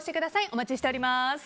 お待ちしております。